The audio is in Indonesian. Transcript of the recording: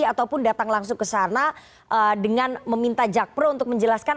ataupun datang langsung ke sana dengan meminta jakpro untuk menjelaskan